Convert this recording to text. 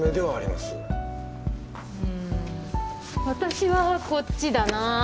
私はこっちだな。